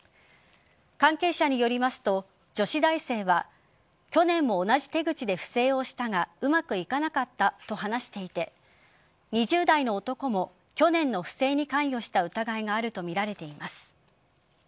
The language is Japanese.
関係者によりますと女子大生は去年も同じ手口で不正をしたがうまくいかなかったと話していて２０代の男も、去年の不正に関与した疑いがあるとみられています。